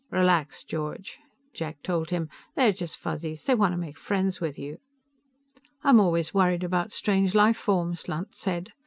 "Relax, George," Jack told him, "They're just Fuzzies; they want to make friends with you." "I'm always worried about strange life forms," Lunt said.